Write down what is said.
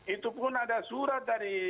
itu pun ada surat dari